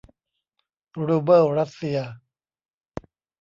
รูเบิลรัสเซีย